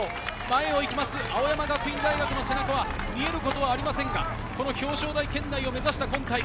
前を行く青山学院大学の背中は見えることはありませんが、表彰台圏内を目指した今大会。